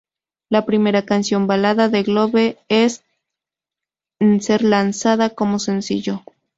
La primera canción balada de globe en ser lanzada como sencillo.